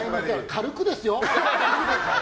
軽くですよ。